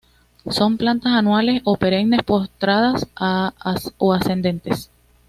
Son plantas anuales o perennes, postradas o ascendentes.